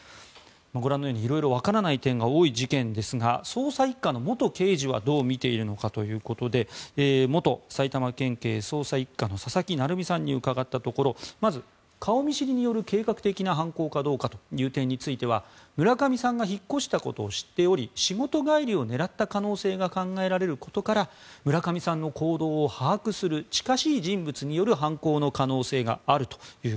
ご覧のように色々わからない点が多い事件ですが捜査１課の元刑事はどう見ているのかということで元埼玉県警捜査１課の佐々木成三さんに伺ったところまず顔見知りによる計画的な犯行かどうかという点については村上さんが引っ越したことを知っており仕事帰りを狙った可能性が考えられることから村上さんの行動を把握する近しい人物による犯行の可能性があると。